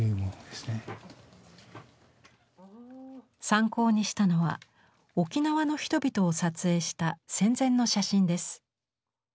参考にしたのは沖縄の人々を撮影した戦前の写真です。